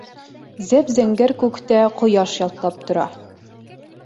Зәп-зәңғәр күктә ҡояш ялтлап тора.